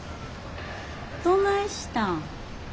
どないしたん？